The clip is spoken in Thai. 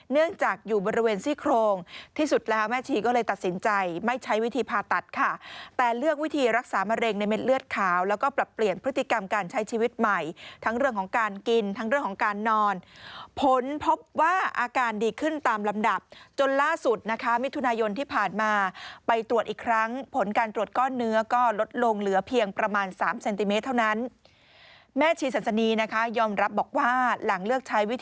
ในรักษามะเร็งในเม็ดเลือดขาวแล้วก็ปรับเปลี่ยนพฤติกรรมการใช้ชีวิตใหม่ทั้งเรื่องของการกินทั้งเรื่องของการนอนผลพบว่าอาการดีขึ้นตามลำดับจนล่าสุดนะคะมิถุนายนที่ผ่านมาไปตรวจอีกครั้งผลการตรวจก้อนเนื้อก็ลดลงเหลือเพียงประมาณ๓เซนติเมตรเท่านั้นแม่ชีสันสนีนะคะยอมรับบอกว่าหลังเลือกใช้